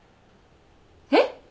えっ？